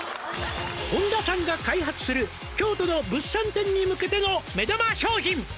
「本田さんが開発する京都の物産展に向けての目玉商品」